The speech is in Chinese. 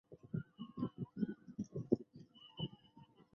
相信它们主要是吃果实。